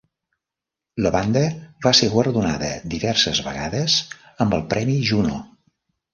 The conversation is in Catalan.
La banda va ser guardonada diverses vegades amb el Premi Juno.